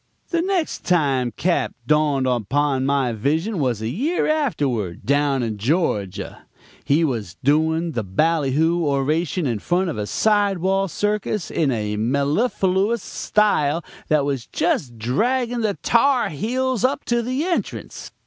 "The next time Cap. dawned upon my vision was a year afterward, down in Georgia. He was doing the ballyho oration in front of a side wall circus in a mellifluous style that was just dragging the tar heels up to the entrance.